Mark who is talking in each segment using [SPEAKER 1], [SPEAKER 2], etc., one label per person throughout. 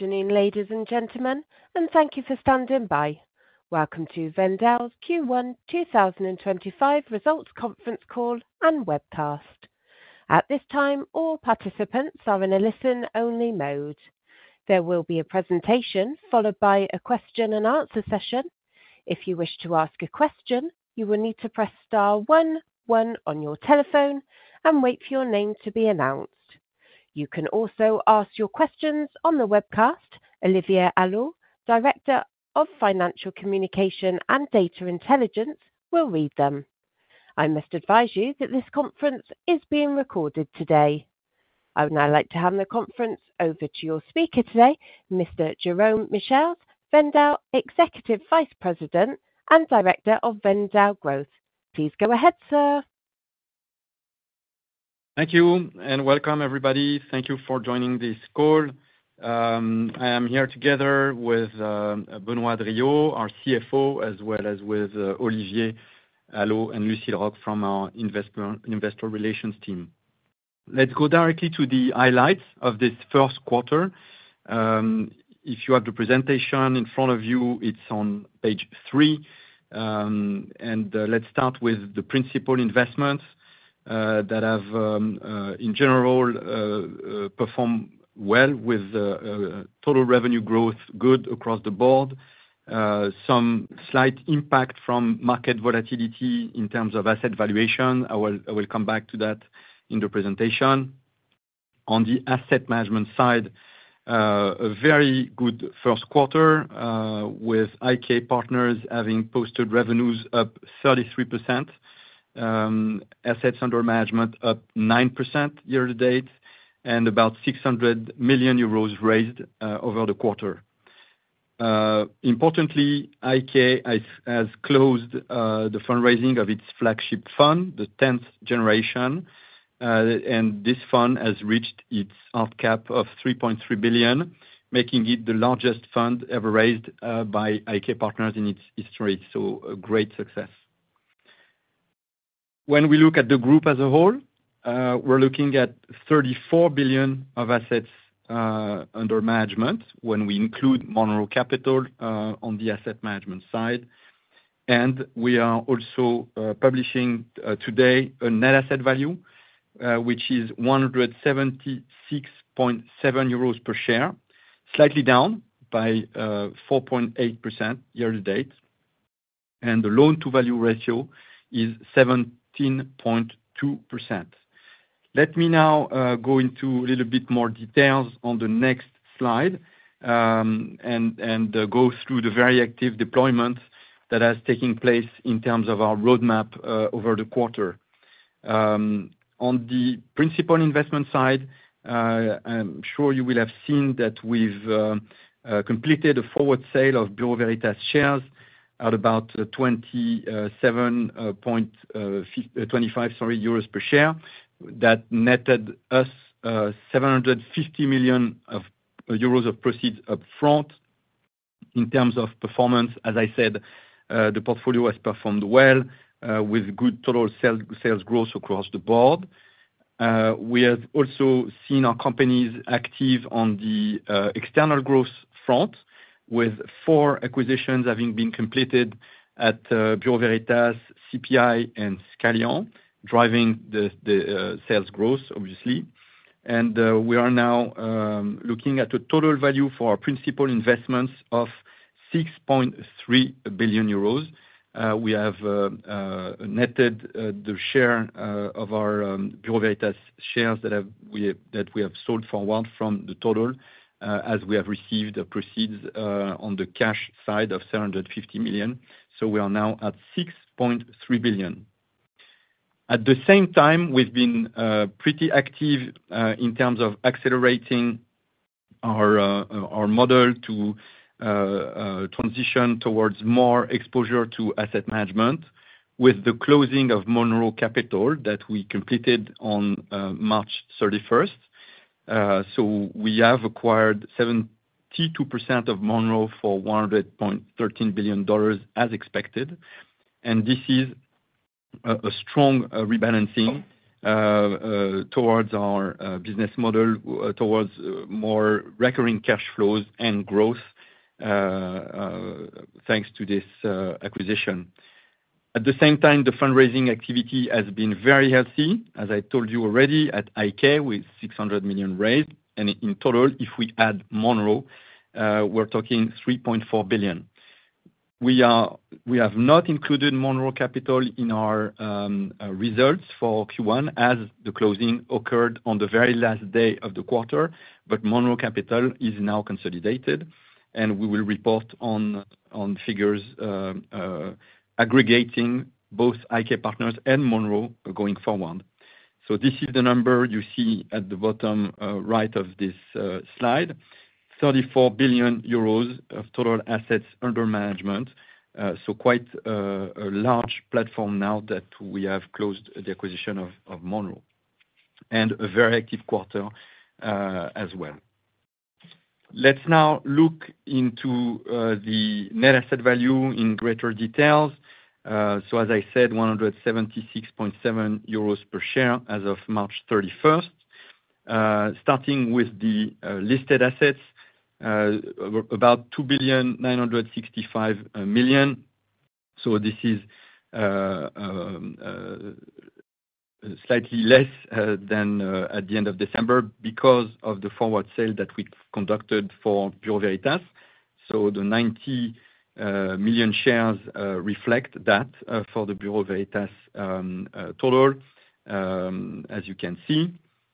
[SPEAKER 1] Afternoon, ladies and gentlemen, and thank you for standing by. Welcome to Wendel's Q1 2025 Results Conference Call and Webcast. At this time, all participants are in a listen-only mode. There will be a presentation followed by a question-and-answer session. If you wish to ask a question, you will need to press star one, one on your telephone, and wait for your name to be announced. You can also ask your questions on the webcast. Olivier Allot, Director of Financial Communication and Data Intelligence, will read them. I must advise you that this conference is being recorded today. I would now like to hand the conference over to your speaker today, Mr. Jérôme Michiels, Wendel Executive Vice President and Director of Wendel Growth. Please go ahead, sir.
[SPEAKER 2] Thank you and welcome, everybody. Thank you for joining this call. I am here together with Benoît Drillaud, our CFO, as well as with Olivier Allot and Lucile Roch from our Investor Relations team. Let's go directly to the highlights of this first quarter. If you have the presentation in front of you, it's on page three. Let's start with the principal investments that have, in general, performed well with total revenue growth good across the board. Some slight impact from market volatility in terms of asset valuation. I will come back to that in the presentation. On the asset management side, a very good first quarter, with IK Partners having posted revenues up 33%. Assets under management up 9% year to date, and about 600 million euros raised over the quarter. Importantly, IK has closed the fundraising of its flagship fund, the 10th generation. This fund has reached its hard cap of 3.3 billion, making it the largest fund ever raised by IK Partners in its history. A great success. When we look at the group as a whole, we're looking at 34 billion of assets under management when we include Monroe Capital on the asset management side. We are also publishing today a net asset value, which is 176.7 euros per share, slightly down by 4.8% year to date. The loan-to-value ratio is 17.2%. Let me now go into a little bit more detail on the next slide and go through the very active deployment that has taken place in terms of our roadmap over the quarter. On the principal investment side, I'm sure you will have seen that we've completed a forward sale of Bureau Veritas shares at about 27.5 euros, 25 euros, sorry, per share. That netted us, 750 million euros of proceeds upfront. In terms of performance, as I said, the portfolio has performed well, with good total sales, sales growth across the board. We have also seen our companies active on the external growth front, with four acquisitions having been completed at Bureau Veritas, CPI, and Scalian, driving the sales growth, obviously. We are now looking at a total value for our principal investments of 6.3 billion euros. We have netted the share of our Bureau Veritas shares that we have sold forward from the total, as we have received the proceeds on the cash side of 750 million. We are now at 6.3 billion. At the same time, we've been pretty active in terms of accelerating our model to transition towards more exposure to asset management with the closing of Monroe Capital that we completed on March 31st. We have acquired 72% of Monroe for $1.13 billion, as expected. This is a strong rebalancing towards our business model, towards more recurring cash flows and growth, thanks to this acquisition. At the same time, the fundraising activity has been very healthy, as I told you already, at IK with 600 million raised. In total, if we add Monroe, we're talking 3.4 billion. We have not included Monroe Capital in our results for Q1 as the closing occurred on the very last day of the quarter, but Monroe Capital is now consolidated, and we will report on figures aggregating both IK Partners and Monroe going forward. This is the number you see at the bottom right of this slide: 34 billion euros of total assets under management. Quite a large platform now that we have closed the acquisition of Monroe. A very active quarter as well. Let's now look into the net asset value in greater detail. As I said, 176.7 euros per share as of March 31st. Starting with the listed assets, about EUR 2,965 million. This is slightly less than at the end of December because of the forward sale that we conducted for Bureau Veritas. The 90 million shares reflect that for the Bureau Veritas total, as you can see.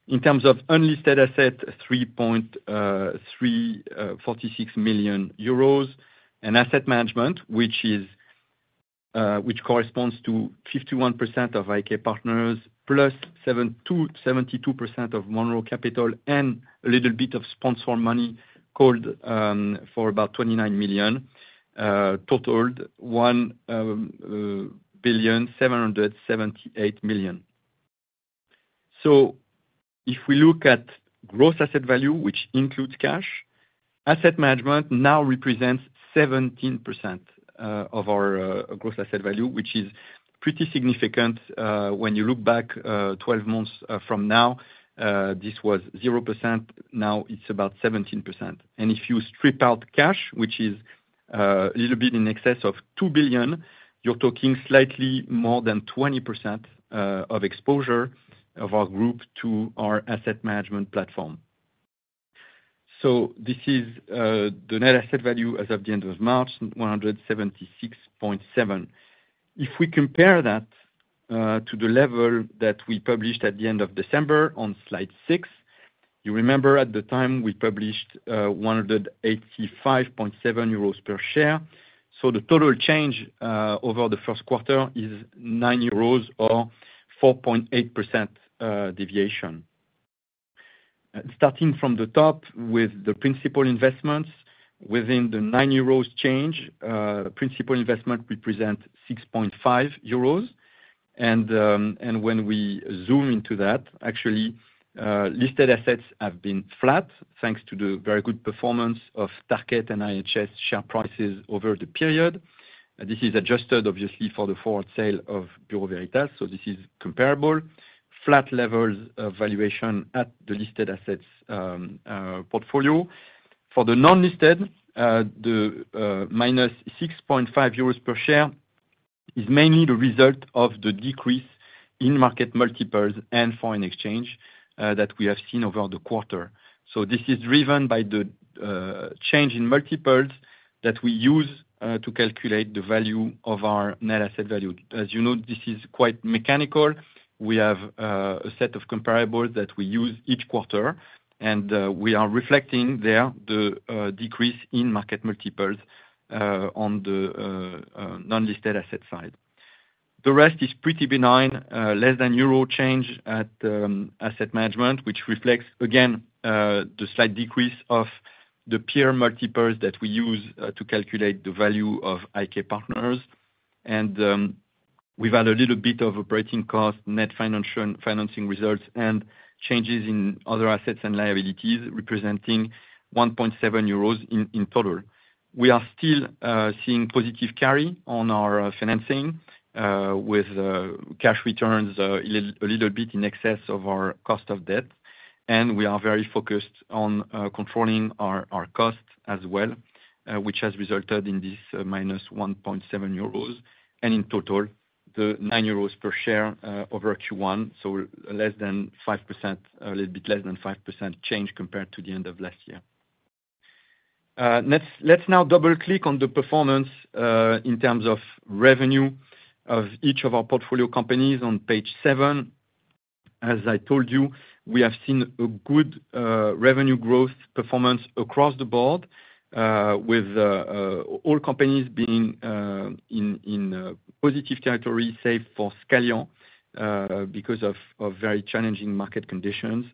[SPEAKER 2] In terms of unlisted assets, 3,346 million euros, and asset management, which corresponds to 51% of IK Partners plus 72% of Monroe Capital and a little bit of sponsor money called for about 29 million, totaled 1,778 million. If we look at gross asset value, which includes cash, asset management now represents 17% of our gross asset value, which is pretty significant. When you look back 12 months from now, this was 0%. Now it's about 17%. If you strip out cash, which is a little bit in excess of 2 billion, you're talking slightly more than 20% of exposure of our group to our asset management platform. This is the net asset value as of the end of March: 176.7. If we compare that to the level that we published at the end of December on slide six, you remember at the time we published 185.7 euros per share. The total change over the first quarter is 9 euros or 4.8% deviation. Starting from the top with the principal investments, within the 9 euros change, principal investment represents 6.5 euros. When we zoom into that, actually, listed assets have been flat thanks to the very good performance of Tarkett and IHS share prices over the period. This is adjusted, obviously, for the forward sale of Bureau Veritas, so this is comparable. Flat levels of valuation at the listed assets, portfolio. For the non-listed, the minus 6.5 euros per share is mainly the result of the decrease in market multiples and foreign exchange, that we have seen over the quarter. This is driven by the change in multiples that we use to calculate the value of our net asset value. As you know, this is quite mechanical. We have a set of comparables that we use each quarter, and we are reflecting there the decrease in market multiples on the non-listed asset side. The rest is pretty benign, less than EUR 1 change at asset management, which reflects, again, the slight decrease of the peer multiples that we use to calculate the value of IK Partners. We have had a little bit of operating cost, net financial financing results, and changes in other assets and liabilities representing 1.7 euros in total. We are still seeing positive carry on our financing, with cash returns a little bit in excess of our cost of debt. We are very focused on controlling our cost as well, which has resulted in this minus 1.7 euros. In total, the 9 euros per share over Q1, so less than 5%, a little bit less than 5% change compared to the end of last year. Let's now double-click on the performance, in terms of revenue of each of our portfolio companies on page seven. As I told you, we have seen a good revenue growth performance across the board, with all companies being in positive territory, save for Scalian because of very challenging market conditions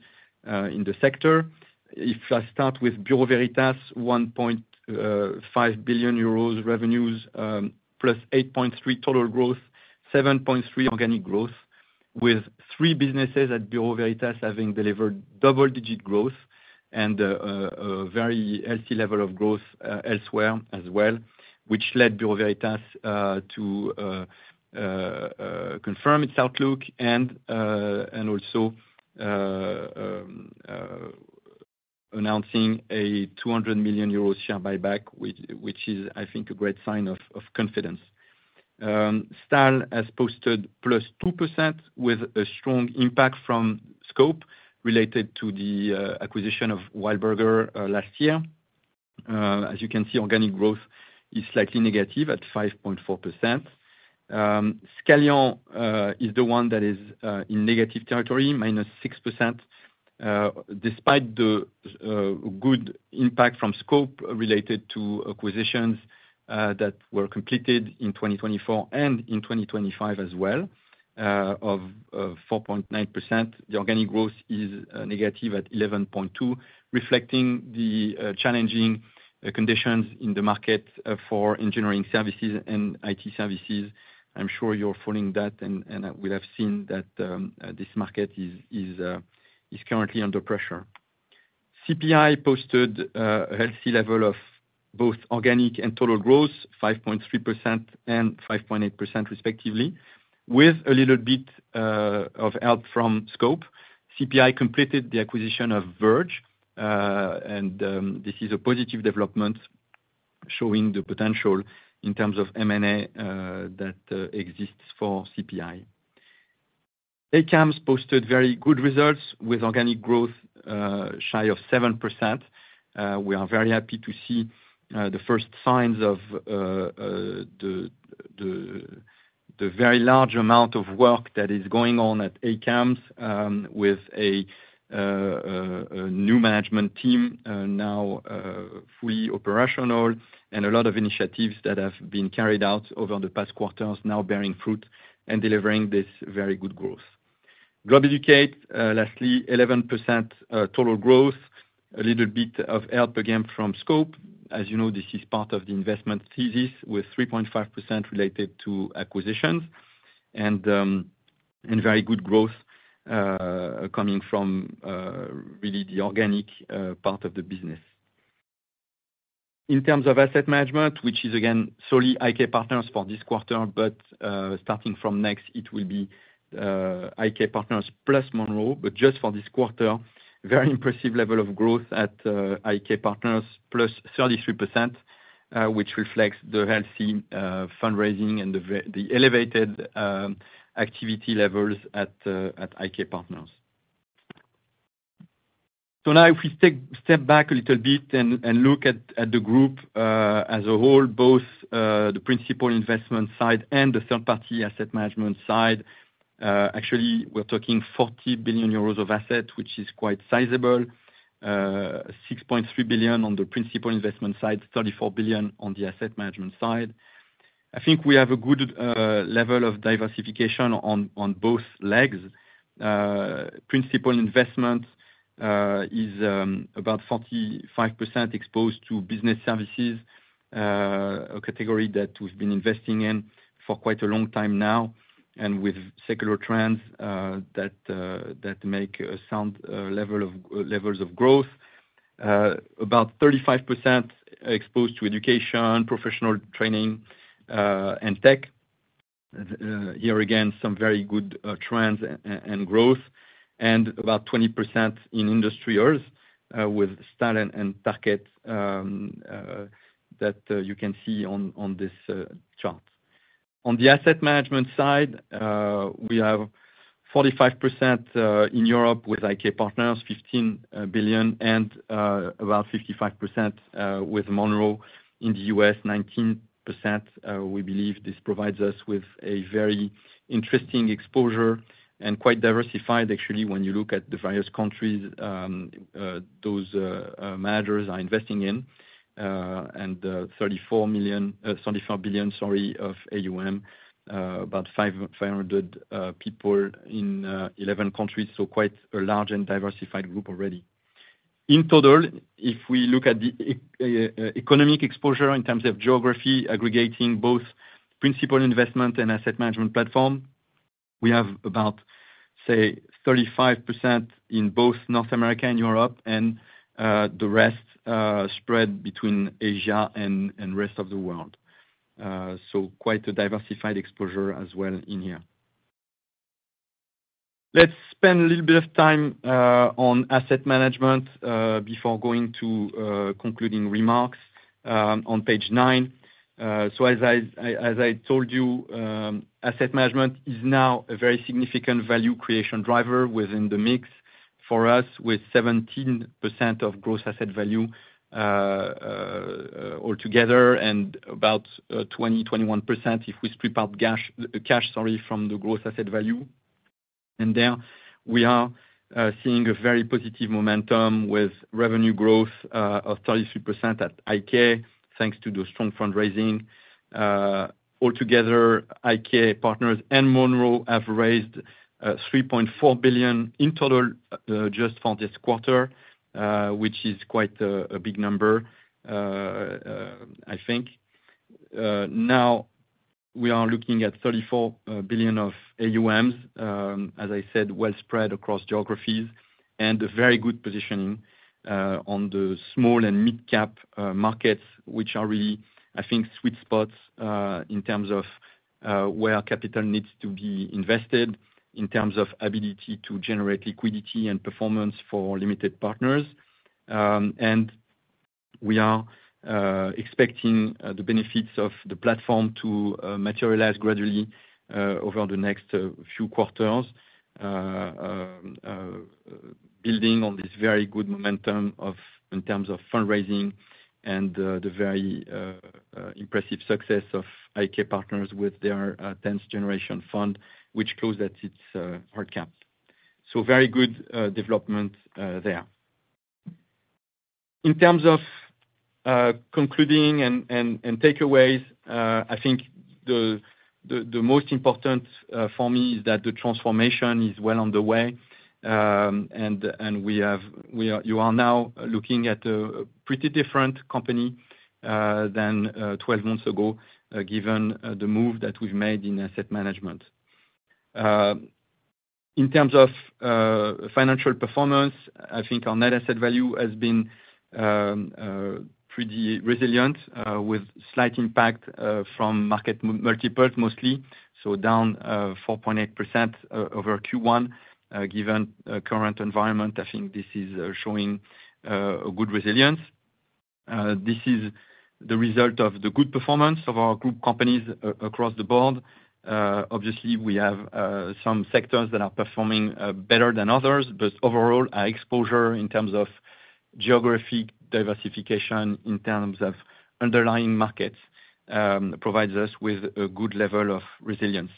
[SPEAKER 2] in the sector. If I start with Bureau Veritas, 1.5 billion euros revenues, plus 8.3% total growth, 7.3% organic growth, with three businesses at Bureau Veritas having delivered double-digit growth and a very healthy level of growth elsewhere as well, which led Bureau Veritas to confirm its outlook and also announcing a 200 million euro share buyback, which is, I think, a great sign of confidence. Stahl has posted plus 2% with a strong impact from scope related to the acquisition of WEILBURGER last year. As you can see, organic growth is slightly negative at -5.4%. Scalian is the one that is in negative territory, -6%, despite the good impact from scope related to acquisitions that were completed in 2024 and in 2025 as well, of 4.9%. The organic growth is negative at -11.2%, reflecting the challenging conditions in the market for engineering services and IT services. I'm sure you're following that, and we have seen that this market is currently under pressure. CPI posted a healthy level of both organic and total growth, 5.3% and 5.8% respectively, with a little bit of help from scope. CPI completed the acquisition of Verge, and this is a positive development showing the potential in terms of M&A that exists for CPI. ACAMS posted very good results with organic growth, shy of 7%. We are very happy to see the first signs of the very large amount of work that is going on at ACAMS, with a new management team now fully operational, and a lot of initiatives that have been carried out over the past quarters now bearing fruit and delivering this very good growth. Globeducate, lastly, 11% total growth, a little bit of help again from scope. As you know, this is part of the investment thesis with 3.5% related to acquisitions and very good growth coming from really the organic part of the business. In terms of asset management, which is again solely IK Partners for this quarter, but starting from next, it will be IK Partners plus Monroe, but just for this quarter, very impressive level of growth at IK Partners, +33%, which reflects the healthy fundraising and the elevated activity levels at IK Partners. If we take a step back a little bit and look at the group as a whole, both the principal investment side and the third-party asset management side, actually we're talking 40 billion euros of asset, which is quite sizable, 6.3 billion on the principal investment side, 34 billion on the asset management side. I think we have a good level of diversification on both legs. Principal investment is about 45% exposed to business services, a category that we've been investing in for quite a long time now, and with secular trends that make a sound level of growth, about 35% exposed to education, professional training, and tech. Here again, some very good trends and growth, and about 20% in industrials, with Stahl and Tarkett that you can see on this chart. On the asset management side, we have 45% in Europe with IK Partners, 15 billion, and about 55% with Monroe in the U.S., 19%. We believe this provides us with a very interesting exposure and quite diversified, actually, when you look at the various countries those managers are investing in, and 34 billion of AUM, about 500 people in 11 countries, so quite a large and diversified group already. In total, if we look at the economic exposure in terms of geography, aggregating both principal investment and asset management platform, we have about, say, 35% in both North America and Europe, and the rest, spread between Asia and rest of the world. Quite a diversified exposure as well in here. Let's spend a little bit of time on asset management, before going to concluding remarks, on page nine. As I told you, asset management is now a very significant value creation driver within the mix for us, with 17% of gross asset value, altogether, and about 20%-21% if we strip out cash from the gross asset value. There we are seeing a very positive momentum with revenue growth of 33% at IK, thanks to the strong fundraising. Altogether, IK Partners and Monroe have raised 3.4 billion in total just for this quarter, which is quite a big number, I think. Now we are looking at 34 billion of AUMs, as I said, well spread across geographies and a very good positioning on the small and mid-cap markets, which are really, I think, sweet spots in terms of where capital needs to be invested, in terms of ability to generate liquidity and performance for limited partners. We are expecting the benefits of the platform to materialize gradually over the next few quarters, building on this very good momentum in terms of fundraising and the very impressive success of IK Partners with their 10th generation fund, which closed at its hard cap. Very good development there. In terms of concluding and takeaways, I think the most important for me is that the transformation is well on the way. We have, you are now looking at a pretty different company than 12 months ago, given the move that we've made in asset management. In terms of financial performance, I think our net asset value has been pretty resilient, with slight impact from market multiples, mostly. Down 4.8% over Q1, given the current environment, I think this is showing a good resilience. This is the result of the good performance of our group companies across the board. Obviously, we have some sectors that are performing better than others, but overall, our exposure in terms of geographic diversification, in terms of underlying markets, provides us with a good level of resilience.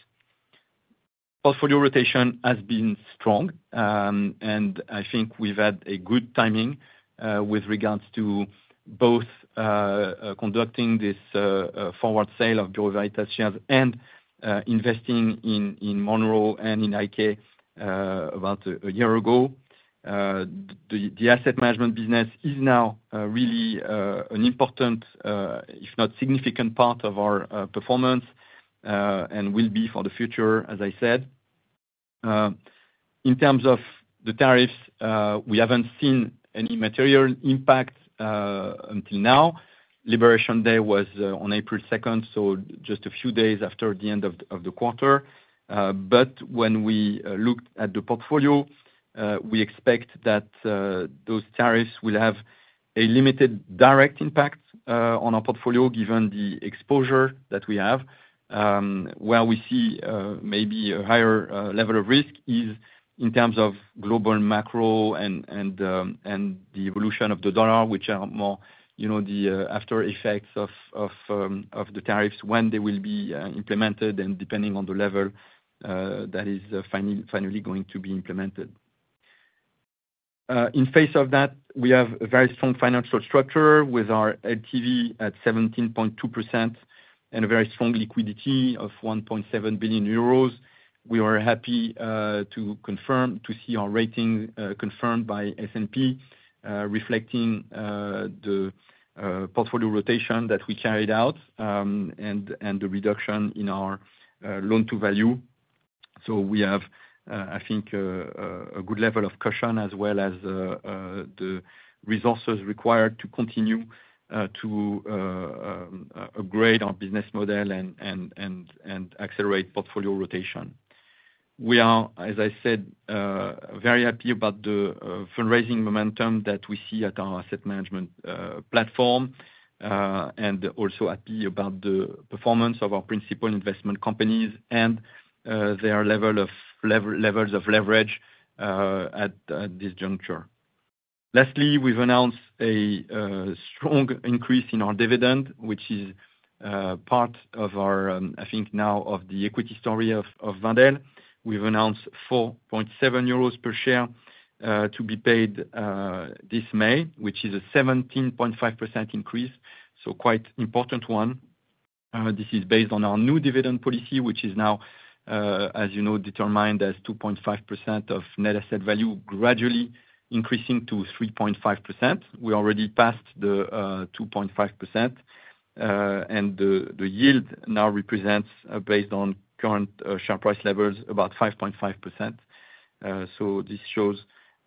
[SPEAKER 2] Portfolio rotation has been strong, and I think we've had a good timing, with regards to both conducting this forward sale of Bureau Veritas shares and investing in Monroe and in IK, about a year ago. The asset management business is now really an important, if not significant part of our performance, and will be for the future, as I said. In terms of the tariffs, we haven't seen any material impact until now. Liberation Day was on April 2nd, so just a few days after the end of the quarter. When we looked at the portfolio, we expect that those tariffs will have a limited direct impact on our portfolio, given the exposure that we have. Where we see maybe a higher level of risk is in terms of global macro and the evolution of the dollar, which are more, you know, the after effects of the tariffs when they will be implemented and depending on the level that is finally going to be implemented. In face of that, we have a very strong financial structure with our LTV at 17.2% and a very strong liquidity of 1.7 billion euros. We were happy to confirm, to see our rating confirmed by S&P, reflecting the portfolio rotation that we carried out and the reduction in our loan to value. We have, I think, a good level of caution as well as the resources required to continue to upgrade our business model and accelerate portfolio rotation. We are, as I said, very happy about the fundraising momentum that we see at our asset management platform, and also happy about the performance of our principal investment companies and their levels of leverage at this juncture. Lastly, we've announced a strong increase in our dividend, which is part of our, I think now, of the equity story of Wendel. We've announced 4.7 euros per share to be paid this May, which is a 17.5% increase, so quite important one. This is based on our new dividend policy, which is now, as you know, determined as 2.5% of net asset value, gradually increasing to 3.5%. We already passed the 2.5%, and the yield now represents, based on current share price levels, about 5.5%. This shows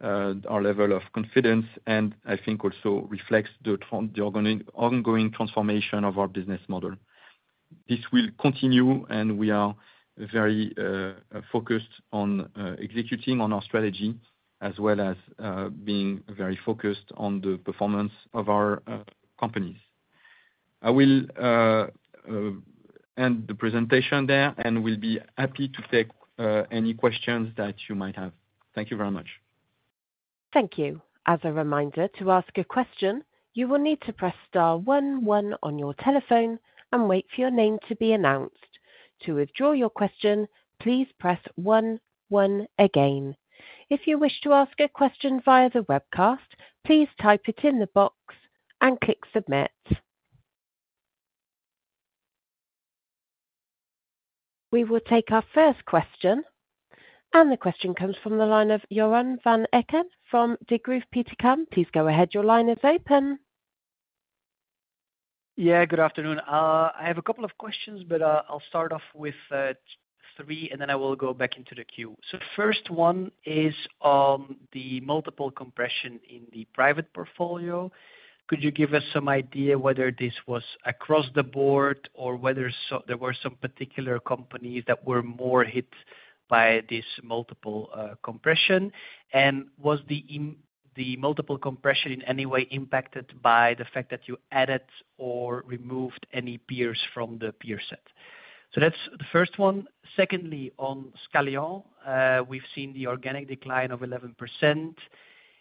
[SPEAKER 2] our level of confidence and I think also reflects the ongoing transformation of our business model. This will continue and we are very focused on executing on our strategy as well as being very focused on the performance of our companies. I will end the presentation there and will be happy to take any questions that you might have. Thank you very much.
[SPEAKER 1] Thank you. As a reminder, to ask a question, you will need to press star one, one on your telephone and wait for your name to be announced. To withdraw your question, please press one, one again. If you wish to ask a question via the webcast, please type it in the box and click submit. We will take our first question and the question comes from the line of Joren Van Aken from Degroof Petercam. Please go ahead, your line is open.
[SPEAKER 3] Yeah, good afternoon. I have a couple of questions, but I'll start off with three and then I will go back into the queue. The first one is on the multiple compression in the private portfolio. Could you give us some idea whether this was across the board or whether there were some particular companies that were more hit by this multiple compression? Was the multiple compression in any way impacted by the fact that you added or removed any peers from the peer set? That's the first one. Secondly, on Scalian, we've seen the organic decline of 11%.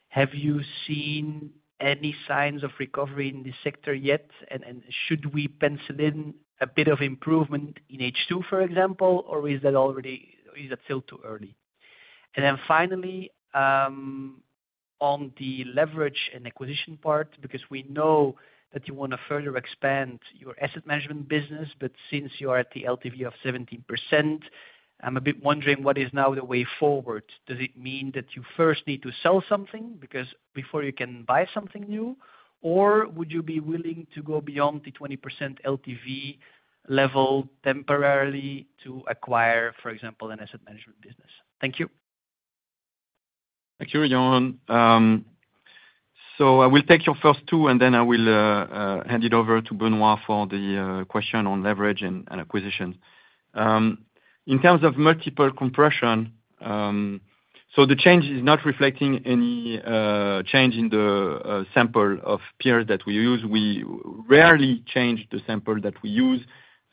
[SPEAKER 3] Have you seen any signs of recovery in the sector yet? Should we pencil in a bit of improvement in H2, for example, or is that still too early? And then finally, on the leverage and acquisition part, because we know that you want to further expand your asset management business, but since you are at the LTV of 17%, I'm a bit wondering what is now the way forward. Does it mean that you first need to sell something before you can buy something new, or would you be willing to go beyond the 20% LTV level temporarily to acquire, for example, an asset management business? Thank you.
[SPEAKER 2] Thank you, Joren. I will take your first two and then I will hand it over to Benoît for the question on leverage and acquisition. In terms of multiple compression, the change is not reflecting any change in the sample of peers that we use. We rarely change the sample that we use.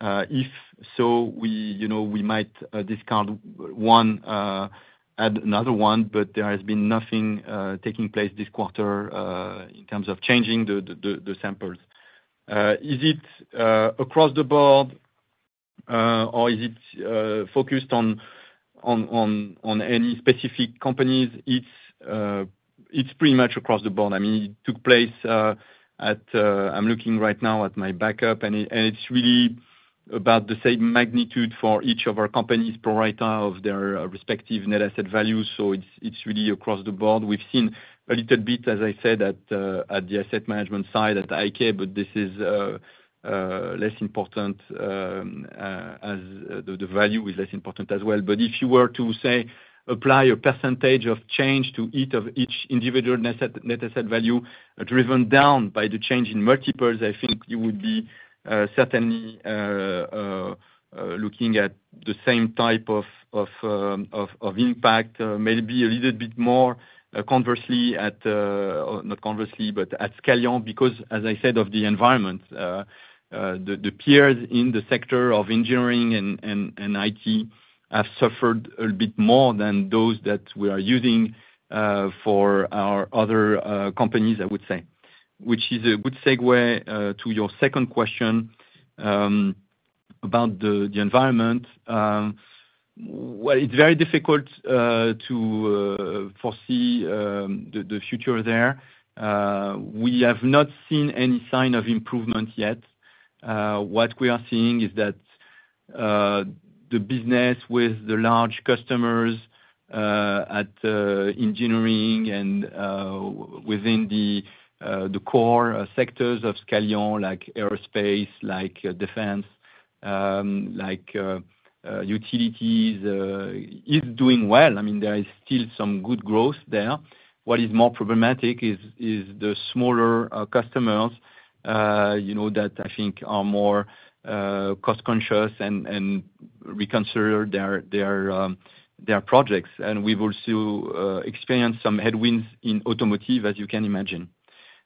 [SPEAKER 2] If so, we, you know, we might discount one, add another one, but there has been nothing taking place this quarter in terms of changing the samples. Is it across the board, or is it focused on any specific companies? It's pretty much across the board. I mean, it took place at, I'm looking right now at my backup and it's really about the same magnitude for each of our companies per writer of their respective net asset value. So it's really across the board. We've seen a little bit, as I said, at the asset management side at IK, but this is less important, as the value is less important as well. If you were to say apply a percentage of change to each individual net asset value driven down by the change in multiples, I think you would be certainly looking at the same type of impact, maybe a little bit more at Scalian, because, as I said, of the environment, the peers in the sector of engineering and IT have suffered a little bit more than those that we are using for our other companies. I would say which is a good segue to your second question about the environment. It's very difficult to foresee the future there. We have not seen any sign of improvement yet. What we are seeing is that the business with the large customers at engineering and within the core sectors of Scalian, like aerospace, like defense, like utilities, is doing well. I mean, there is still some good growth there. What is more problematic is the smaller customers, you know, that I think are more cost-conscious and reconsider their projects. And we've also experienced some headwinds in automotive, as you can imagine.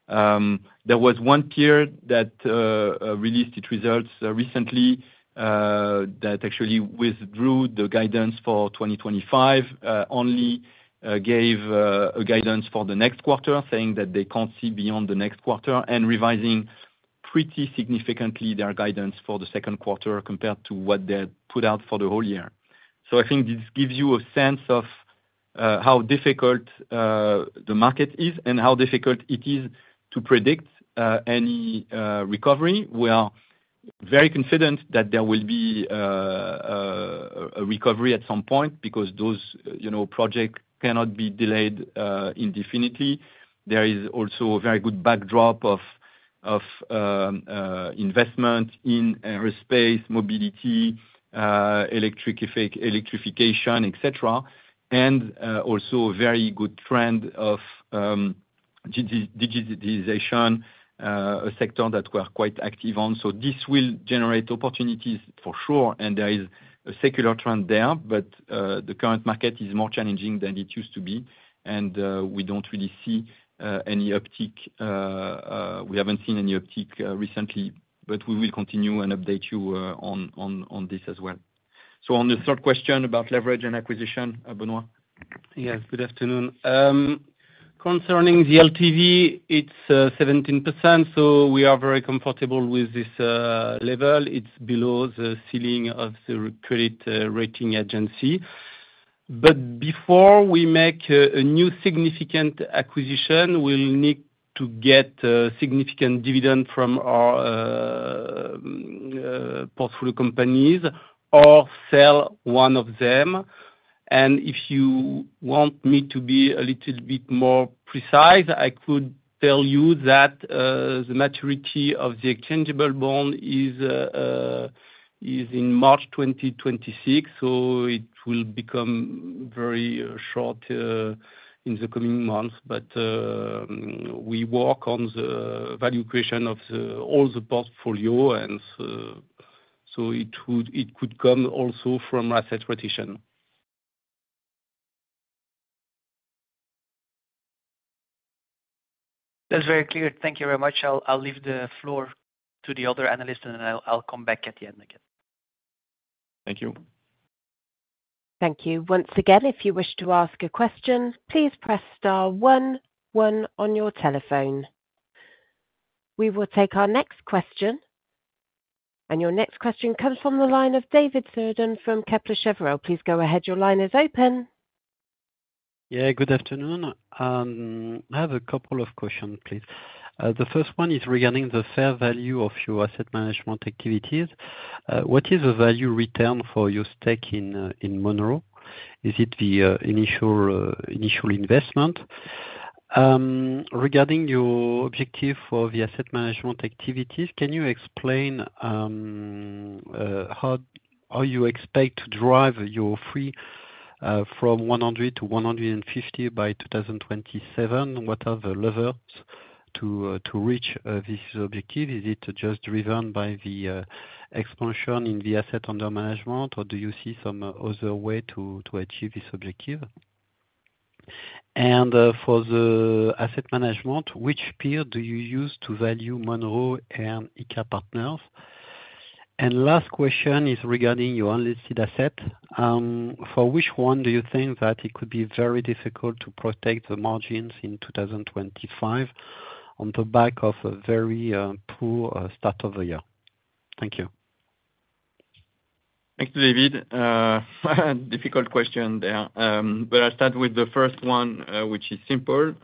[SPEAKER 2] There was one peer that released its results recently that actually withdrew the guidance for 2025, only gave a guidance for the next quarter, saying that they can't see beyond the next quarter and revising pretty significantly their guidance for the second quarter compared to what they had put out for the whole year. I think this gives you a sense of how difficult the market is and how difficult it is to predict any recovery. We are very confident that there will be a recovery at some point because those, you know, projects cannot be delayed indefinitely. There is also a very good backdrop of investment in aerospace, mobility, electrification, et cetera, and also a very good trend of digitization, a sector that we are quite active on. This will generate opportunities for sure, and there is a secular trend there, but the current market is more challenging than it used to be, and we do not really see any uptick. We have not seen any uptick recently, but we will continue and update you on this as well. On the third question about leverage and acquisition, Benoît.
[SPEAKER 4] Yes, good afternoon. Concerning the LTV, it's 17%, so we are very comfortable with this level. It's below the ceiling of the credit rating agency. Before we make a new significant acquisition, we'll need to get a significant dividend from our portfolio companies or sell one of them. If you want me to be a little bit more precise, I could tell you that the maturity of the exchangeable bond is in March 2026, so it will become very short in the coming months. We work on the value creation of all the portfolio, and it could come also from asset retention.
[SPEAKER 3] That's very clear. Thank you very much. I'll leave the floor to the other analysts, and then I'll come back at the end again.
[SPEAKER 4] Thank you.
[SPEAKER 1] Thank you. Once again, if you wish to ask a question, please press star one, one on your telephone. We will take our next question, and your next question comes from the line of David Cerdan from Kepler Cheuvreux. Please go ahead. Your line is open.
[SPEAKER 5] Yeah, good afternoon. I have a couple of questions, please. The first one is regarding the fair value of your asset management activities. What is the value return for your stake in, in Monroe? Is it the initial, initial investment? Regarding your objective for the asset management activities, can you explain how, how you expect to drive your FRE from 100-150 by 2027? What are the levers to, to reach this objective? Is it just driven by the expansion in the assets under management, or do you see some other way to, to achieve this objective? For the asset management, which peer do you use to value Monroe and IK Partners? Last question is regarding your unlisted asset. For which one do you think that it could be very difficult to protect the margins in 2025 on the back of a very poor start of the year? Thank you.
[SPEAKER 2] Thank you, David. Difficult question there. I'll start with the first one, which is simple.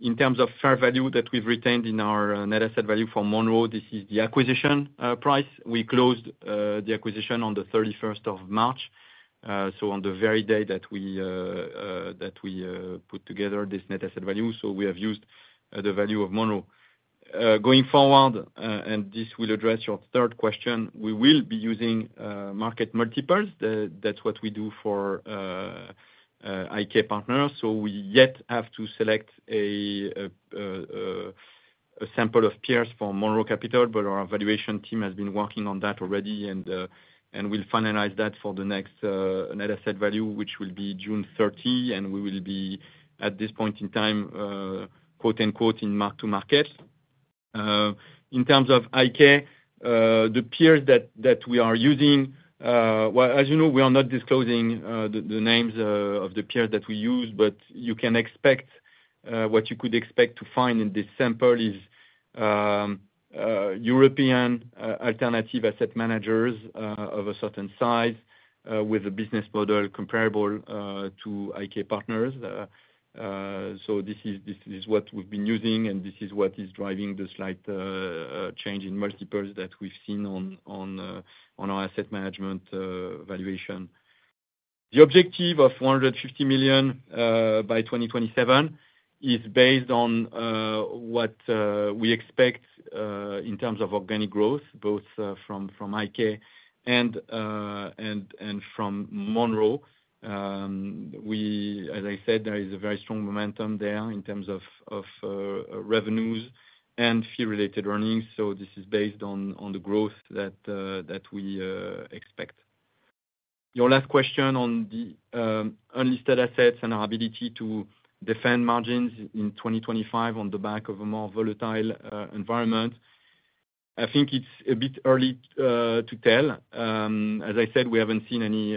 [SPEAKER 2] In terms of fair value that we've retained in our net asset value for Monroe, this is the acquisition price. We closed the acquisition on the 31st of March, so on the very day that we put together this net asset value. We have used the value of Monroe. Going forward, and this will address your third question, we will be using market multiples. That's what we do for IK Partners. We yet have to select a sample of peers for Monroe Capital, but our evaluation team has been working on that already, and we'll finalize that for the next net asset value, which will be June 30, and we will be at this point in time, quote unquote in mark to market. In terms of IK, the peers that we are using, well, as you know, we are not disclosing the names of the peers that we use, but you can expect, what you could expect to find in this sample is European alternative asset managers of a certain size, with a business model comparable to IK Partners. This is what we've been using, and this is what is driving the slight change in multiples that we've seen on our asset management valuation. The objective of 150 million by 2027 is based on what we expect in terms of organic growth, both from IK and from Monroe. As I said, there is a very strong momentum there in terms of revenues and fee-related earnings. This is based on the growth that we expect. Your last question on the unlisted assets and our ability to defend margins in 2025 on the back of a more volatile environment. I think it's a bit early to tell. As I said, we haven't seen any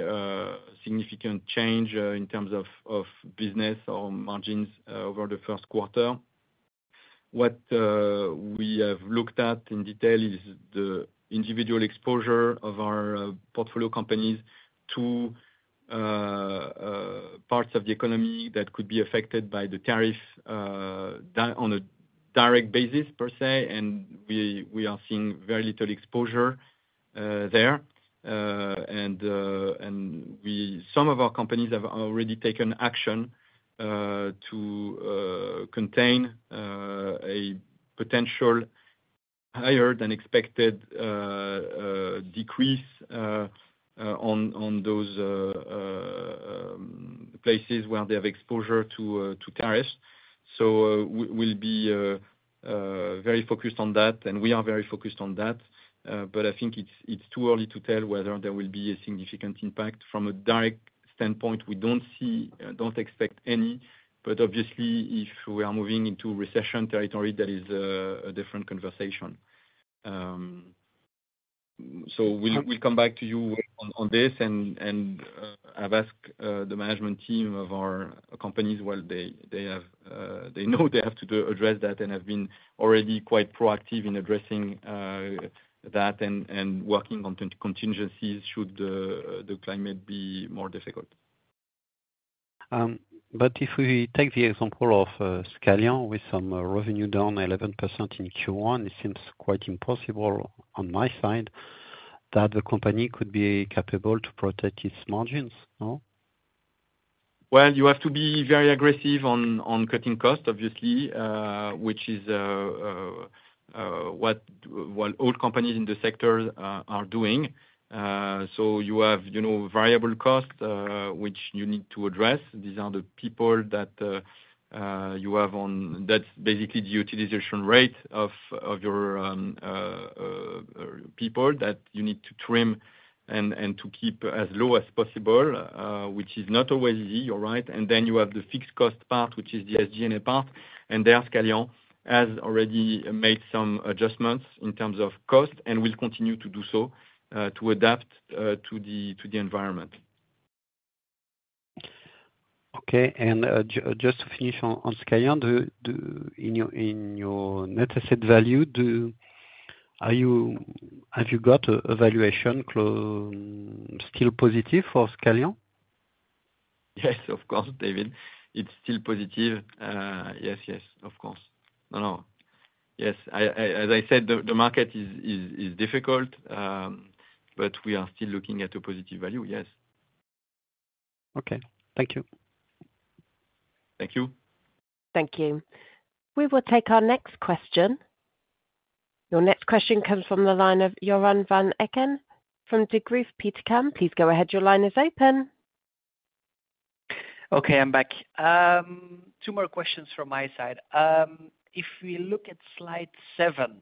[SPEAKER 2] significant change in terms of business or margins over the first quarter. What we have looked at in detail is the individual exposure of our portfolio companies to parts of the economy that could be affected by the tariff on a direct basis per se. We are seeing very little exposure there. Some of our companies have already taken action to contain a potential higher than expected decrease on those places where they have exposure to tariffs. We will be very focused on that, and we are very focused on that. I think it is too early to tell whether there will be a significant impact. From a direct standpoint, we do not see, do not expect any, but obviously if we are moving into recession territory, that is a different conversation. We will come back to you on this, and I have asked the management team of our companies what they have. They know they have to address that and have been already quite proactive in addressing that and working on contingencies should the climate be more difficult.
[SPEAKER 5] If we take the example of Scalian with some revenue down 11% in Q1, it seems quite impossible on my side that the company could be capable to protect its margins, no?
[SPEAKER 2] You have to be very aggressive on cutting costs, obviously, which is what all companies in the sector are doing. You have, you know, variable costs, which you need to address. These are the people that you have on, that's basically the utilization rate of your people that you need to trim and to keep as low as possible, which is not always easy, you're right. Then you have the fixed cost part, which is the SG&A part, and there Scalian has already made some adjustments in terms of cost and will continue to do so, to adapt to the environment.
[SPEAKER 5] Okay. Just to finish on Scalian, in your net asset value, have you got a valuation still positive for Scalian?
[SPEAKER 2] Yes, of course, David. It's still positive. Yes, yes, of course. No, no. Yes. As I said, the market is difficult, but we are still looking at a positive value. Yes.
[SPEAKER 5] Okay. Thank you.
[SPEAKER 2] Thank you.
[SPEAKER 1] Thank you. We will take our next question. Your next question comes from the line of Joren Van Aken from Degroof Petercam. Please go ahead. Your line is open.
[SPEAKER 3] Okay, I'm back. Two more questions from my side. If we look at slide seven,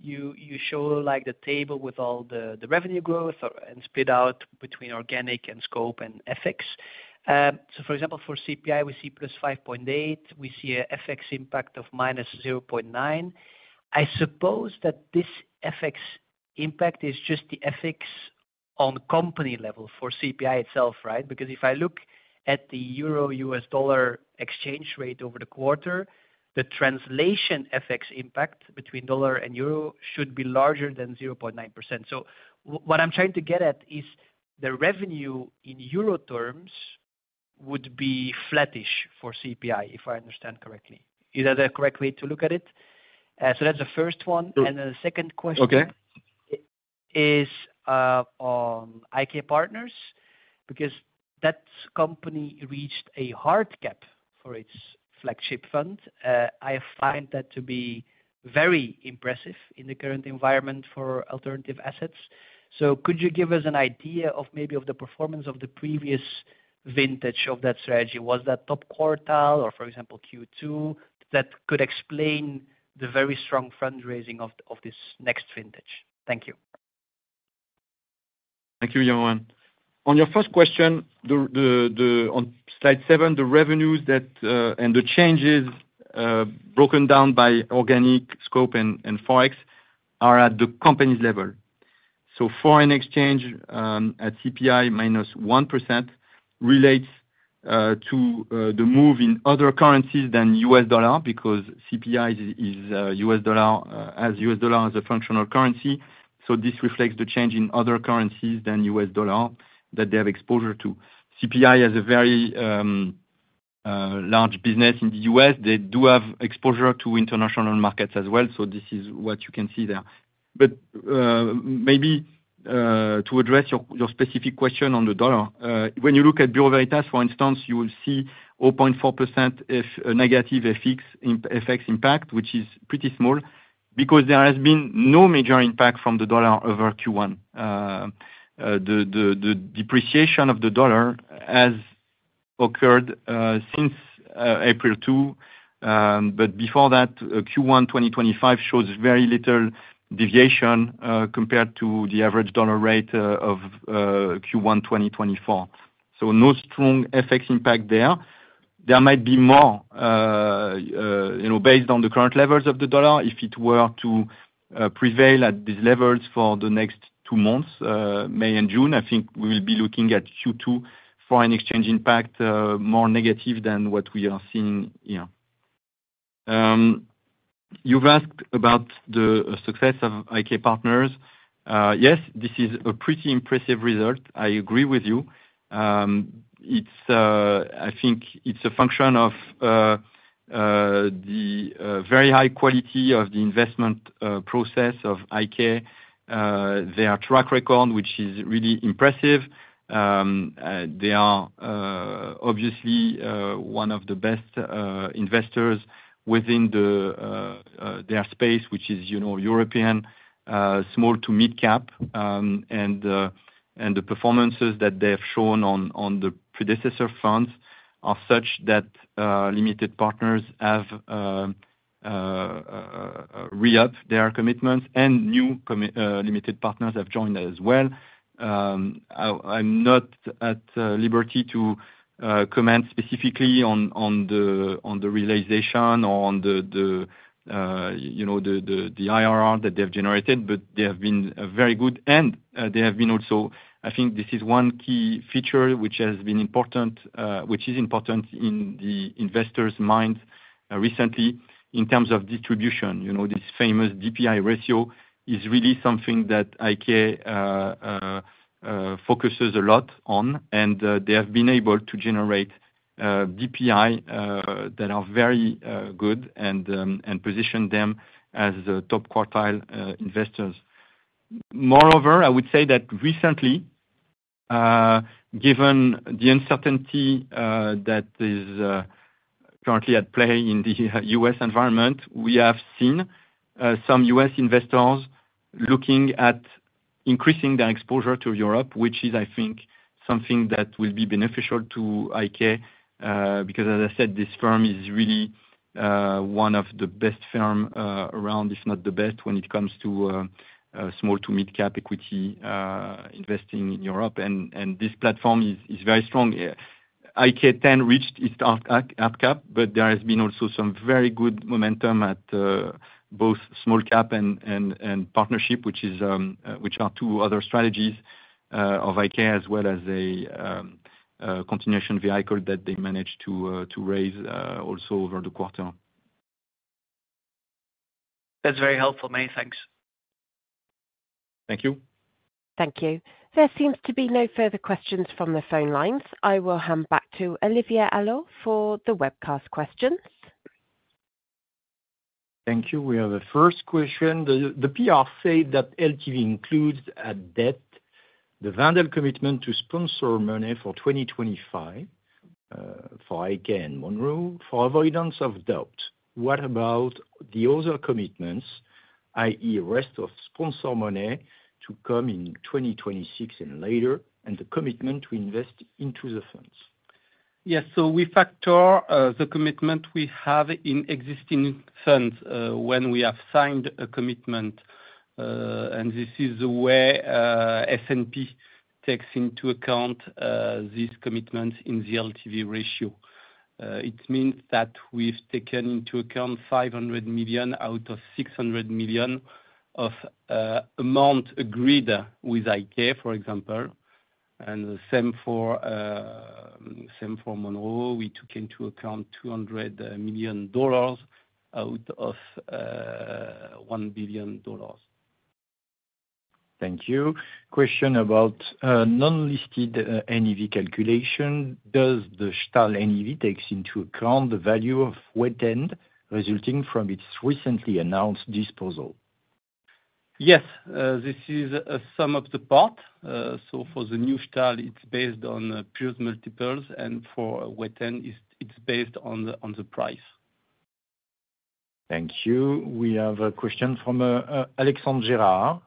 [SPEAKER 3] you show the table with all the revenue growth and split out between organic and scope and FX. For example, for CPI, we see +5.8%. We see an FX impact of -0.9. I suppose that this FX impact is just the FX on company level for CPI itself, right? Because if I look at the euro-U.S. dollar exchange rate over the quarter, the translation FX impact between dollar and euro should be larger than 0.9%. What I'm trying to get at is the revenue in euro terms would be flattish for CPI, if I understand correctly. Is that a correct way to look at it? That is the first one. The second question is, on IK Partners, because that company reached a hard cap for its flagship fund. I find that to be very impressive in the current environment for alternative assets. Could you give us an idea of maybe the performance of the previous vintage of that strategy? Was that top quartile or, for example, Q2? That could explain the very strong fundraising of this next vintage. Thank you.
[SPEAKER 2] Thank you, Joren. On your first question, on slide seven, the revenues and the changes, broken down by organic, scope, and forex, are at the company's level. Foreign exchange at CPI minus 1% relates to the move in other currencies than U.S. dollar because CPI is U.S. dollar as a functional currency. This reflects the change in other currencies than U.S. dollar that they have exposure to. CPI has a very large business in the U.S.. They do have exposure to international markets as well. This is what you can see there. Maybe, to address your specific question on the dollar, when you look at Bureau Veritas, for instance, you will see 0.4% of a negative FX impact, which is pretty small because there has been no major impact from the dollar over Q1. The depreciation of the dollar has occurred since April 2. Before that, Q1 2025 shows very little deviation compared to the average dollar rate of Q1 2024. No strong FX impact there. There might be more, you know, based on the current levels of the dollar. If it were to prevail at these levels for the next two months, May and June, I think we will be looking at Q2 foreign exchange impact, more negative than what we are seeing here. You have asked about the success of IK Partners. Yes, this is a pretty impressive result. I agree with you. It's, I think it's a function of the very high quality of the investment process of IK. Their track record, which is really impressive. They are, obviously, one of the best investors within their space, which is, you know, European small to mid cap. The performances that they have shown on the predecessor funds are such that limited partners have re-up their commitments and new limited partners have joined as well. I'm not at liberty to comment specifically on the realization or on the IRR that they've generated, but they have been very good and they have been also, I think this is one key feature which has been important, which is important in the investor's mind, recently in terms of distribution. You know, this famous DPI ratio is really something that IK focuses a lot on, and they have been able to generate DPI that are very good and position them as top quartile investors. Moreover, I would say that recently, given the uncertainty that is currently at play in the U.S. environment, we have seen some U.S. investors looking at increasing their exposure to Europe, which is, I think, something that will be beneficial to IK, because, as I said, this firm is really one of the best firm around, if not the best, when it comes to small to mid cap equity investing in Europe. This platform is very strong. IK10 reached its top up cap, but there has been also some very good momentum at both small cap and partnership, which are two other strategies of IK, as well as a continuation vehicle that they managed to raise also over the quarter.
[SPEAKER 3] That's very helpful. Many thanks.
[SPEAKER 2] Thank you.
[SPEAKER 1] Thank you. There seems to be no further questions from the phone lines. I will hand back to Olivier Allot for the webcast questions.
[SPEAKER 6] Thank you. We have a first question. The PR said that LTV includes a debt, the Wendel commitment to sponsor money for 2025, for IK and Monroe for avoidance of doubt. What about the other commitments, i.e., rest of sponsor money to come in 2026 and later, and the commitment to invest into the funds?
[SPEAKER 2] Yes. We factor the commitment we have in existing funds when we have signed a commitment. This is the way S&P takes into account these commitments in the LTV ratio. It means that we've taken into account 500 million out of 600 million of amount agreed with IK, for example. The same for Monroe. We took into account $200 million out of $1 billion.
[SPEAKER 6] Thank you. Question about non-listed NAV calculation. Does the Stahl NAV take into account the value of wet-end resulting from its recently announced disposal?
[SPEAKER 2] Yes. This is a sum of the parts. For the new Stahl, it's based on peer multiples and for wet-end, it's based on the price.
[SPEAKER 6] Thank you. We have a question from Alexandre Gérard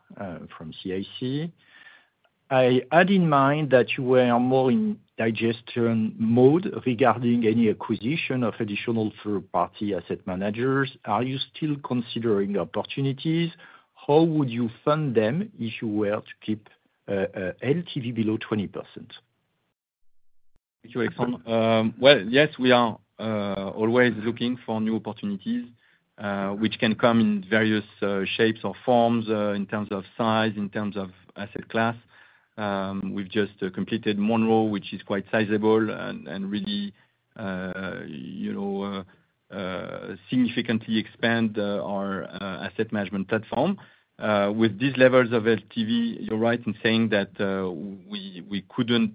[SPEAKER 6] from CIC. I had in mind that you were more in digestion mode regarding any acquisition of additional third-party asset managers. Are you still considering opportunities? How would you fund them if you were to keep LTV below 20%?
[SPEAKER 2] Thank you, Alexandre. Yes, we are always looking for new opportunities, which can come in various shapes or forms, in terms of size, in terms of asset class. We've just completed Monroe, which is quite sizable and really, you know, significantly expand our asset management platform. With these levels of LTV, you're right in saying that we couldn't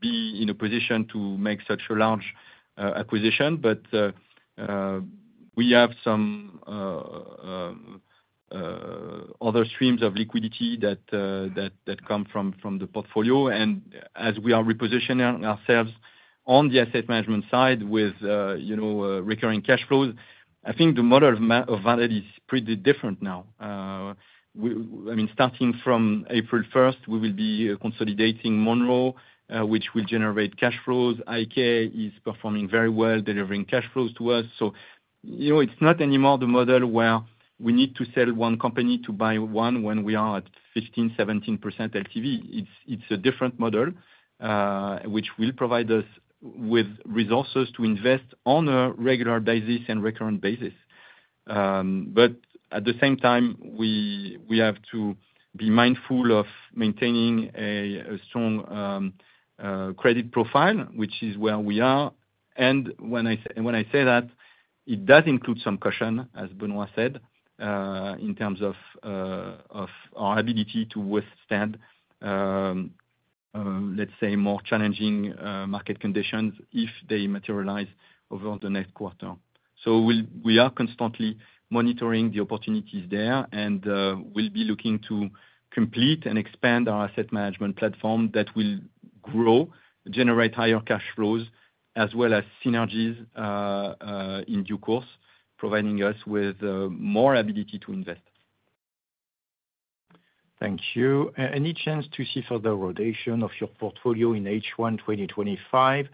[SPEAKER 2] be in a position to make such a large acquisition, but we have some other streams of liquidity that come from the portfolio. As we are repositioning ourselves on the asset management side with, you know, recurring cash flows, I think the model of Wendel is pretty different now. I mean, starting from April 1st, we will be consolidating Monroe, which will generate cash flows. IK is performing very well, delivering cash flows to us. You know, it is not anymore the model where we need to sell one company to buy one when we are at 15-17% LTV. It is a different model, which will provide us with resources to invest on a regular basis and recurrent basis. At the same time, we have to be mindful of maintaining a strong credit profile, which is where we are. When I say that, it does include some caution, as Benoît said, in terms of our ability to withstand, let's say, more challenging market conditions if they materialize over the next quarter. We are constantly monitoring the opportunities there, and we'll be looking to complete and expand our asset management platform that will grow, generate higher cash flows as well as synergies, in due course, providing us with more ability to invest.
[SPEAKER 6] Thank you. Any chance to see further rotation of your portfolio in H1 2025?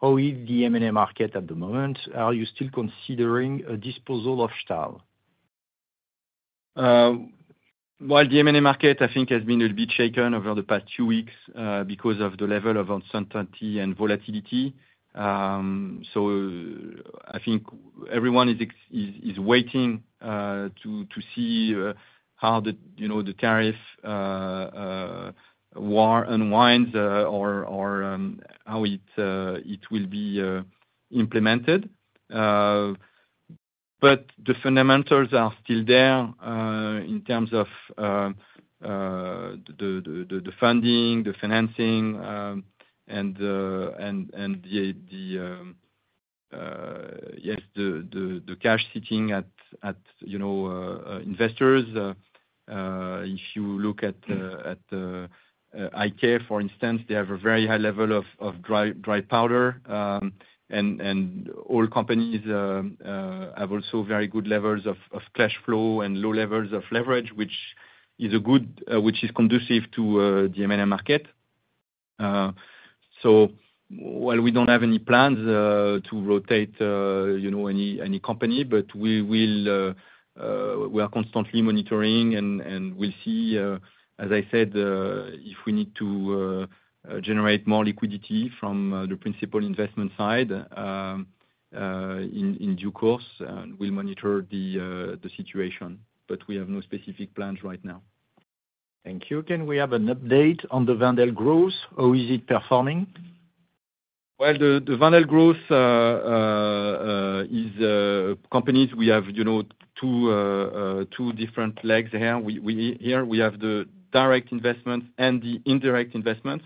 [SPEAKER 6] How is the M&A market at the moment? Are you still considering a disposal of Stahl?
[SPEAKER 2] The M&A market, I think, has been a bit shaken over the past few weeks, because of the level of uncertainty and volatility. I think everyone is waiting to see how the, you know, the tariff war unwinds, or how it will be implemented. The fundamentals are still there, in terms of the funding, the financing, and, yes, the cash sitting at, you know, investors. If you look at IK, for instance, they have a very high level of dry powder. All companies have also very good levels of cash flow and low levels of leverage, which is conducive to the M&A market. While we do not have any plans to rotate, you know, any company, we are constantly monitoring and we will see, as I said, if we need to generate more liquidity from the principal investment side in due course, and we will monitor the situation, but we have no specific plans right now.
[SPEAKER 6] Thank you. Can we have an update on the Wendel Growth or is it performing well?
[SPEAKER 2] The Wendel Growth is companies we have, you know, two different legs here. We have the direct investments and the indirect investments.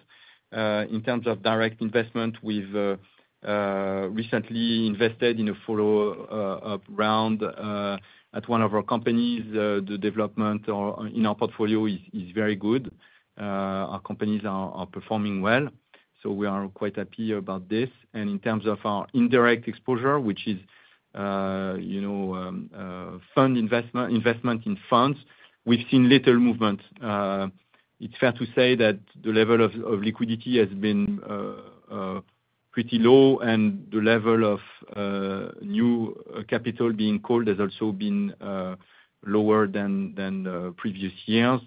[SPEAKER 2] In terms of direct investment, we have recently invested in a follow-up round at one of our companies. The development in our portfolio is very good. Our companies are performing well. We are quite happy about this. In terms of our indirect exposure, which is, you know, fund investment, investment in funds, we've seen little movement. It's fair to say that the level of liquidity has been pretty low and the level of new capital being called has also been lower than previous years.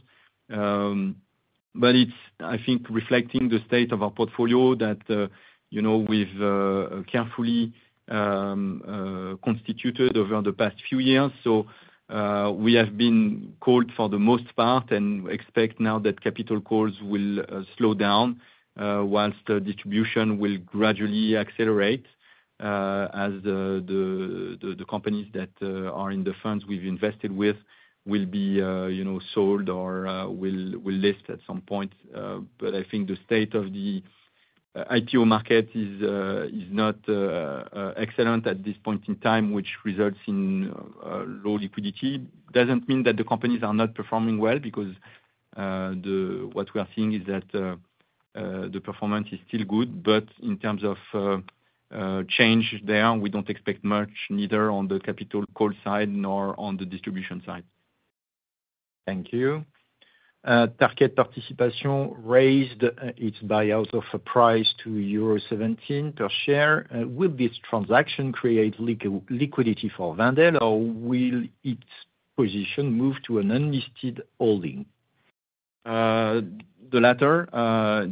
[SPEAKER 2] I think it's reflecting the state of our portfolio that, you know, we've carefully constituted over the past few years. We have been called for the most part and expect now that capital calls will slow down, whilst the distribution will gradually accelerate, as the companies that are in the funds we've invested with will be, you know, sold or will list at some point. I think the state of the IPO market is not excellent at this point in time, which results in low liquidity. Doesn't mean that the companies are not performing well because, the, what we are seeing is that, the performance is still good, but in terms of, change there, we don't expect much neither on the capital call side nor on the distribution side.
[SPEAKER 6] Thank you. Tarkett Participation raised its buyout offer price to euro 17 per share. Will this transaction create liquidity for Wendel or will its position move to an unlisted holding?
[SPEAKER 2] The latter,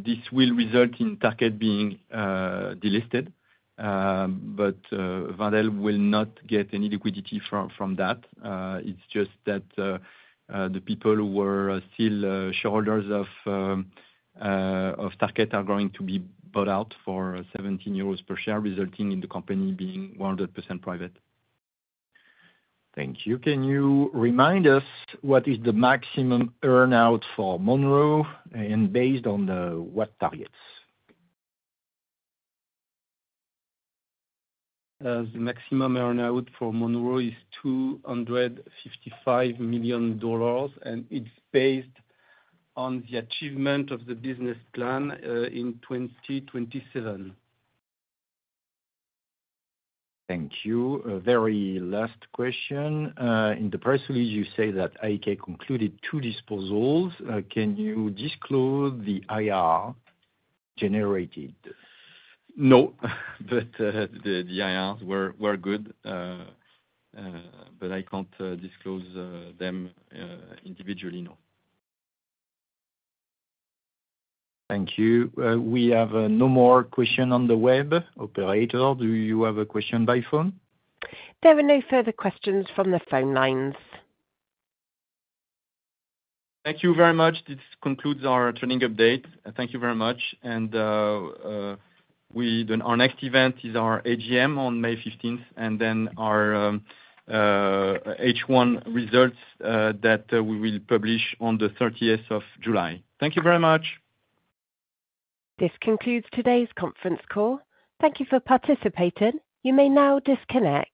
[SPEAKER 2] this will result in Tarkett being delisted. Wendel will not get any liquidity from that. It's just that the people who were still shareholders of Tarkett are going to be bought out for 17 euros per share, resulting in the company being 100% private.
[SPEAKER 6] Thank you. Can you remind us what is the maximum earnout for Monroe and based on what targets?
[SPEAKER 2] The maximum earnout for Monroe is $255 million and it's based on the achievement of the business plan, in 2027.
[SPEAKER 6] Thank you. A very last question. In the press release, you say that IK concluded two disposals. Can you disclose the IR generated?
[SPEAKER 2] No, but the IRs were good. I can't disclose them individually. No.
[SPEAKER 6] Thank you. We have no more questions on the web. Operator, do you have a question by phone?
[SPEAKER 1] There were no further questions from the phone lines.
[SPEAKER 2] Thank you very much. This concludes our training update. Thank you very much. Our next event is our AGM on May 15th and then our H1 results that we will publish on the 30th of July. Thank you very much.
[SPEAKER 1] This concludes today's conference call. Thank you for participating. You may now disconnect.